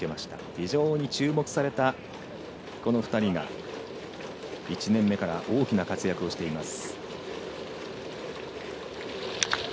非常に注目されたこの２人が、１年目から大きな活躍をしています。